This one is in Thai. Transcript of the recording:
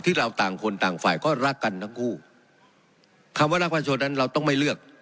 ต่างคนต่างฝ่ายก็รักกันทั้งคู่คำว่ารักประชาชนนั้นเราต้องไม่เลือก